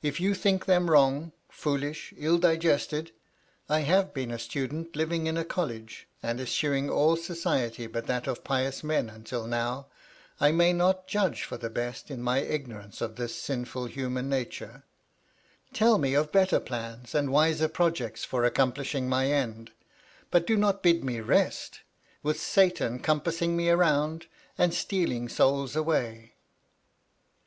If you think them wrong, foolish, ill digested (I have been a student, living in a college, and eschewing all society but that of pious men, until now : I may not judge for the best, in my ignorance of this sinful human nature), tell me of better plans and wiser projects for accomplishing my end ; but do not bid me rest, with Satan compassing me round, and stealing souls away."